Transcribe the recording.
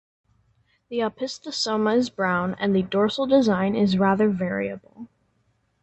The opisthosoma is brown and the dorsal design is rather variable.